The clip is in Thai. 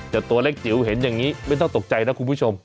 แต่ตัวเล็กจิ๋วเห็นอย่างนี้ไม่ต้องตกใจนะคุณผู้ชม